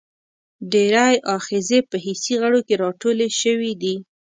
ډېری آخذې په حسي غړو کې را ټولې شوي دي.